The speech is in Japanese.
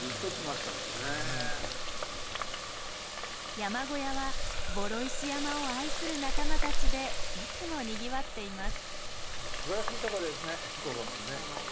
山小屋は双石山を愛する仲間たちでいつもにぎわっています。